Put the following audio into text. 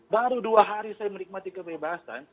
baru dua hari saya menikmati kebebasan